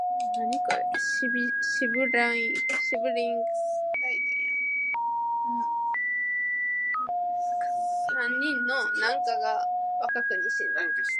Her other three siblings died young.